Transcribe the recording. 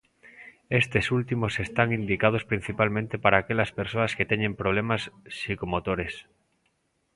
Estes últimos están indicados principalmente para aquelas persoas que teñen problemas psicomotores.